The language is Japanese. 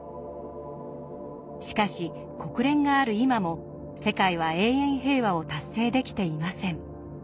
しかし国連がある今も世界は永遠平和を達成できていません。